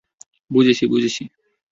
বুঝেছি, বুঝেছি।